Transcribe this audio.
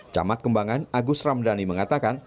camat kembangan agus ramdhani mengatakan